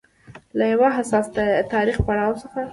له يو حساس تاریخي پړاو څخه